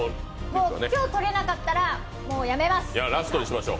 今日とれなかったら、もうやめます